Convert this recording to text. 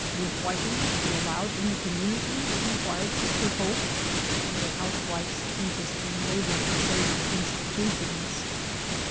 Will whiting be allowed in the community?" in quired Sister Hope, with a housewife's interest in labor saving institutions.